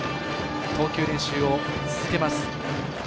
投球練習を続けます。